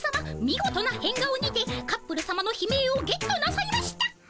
みごとな変顔にてカップルさまの悲鳴をゲットなさいました。